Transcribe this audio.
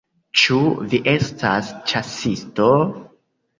Ĉu vi estas ĉasisto?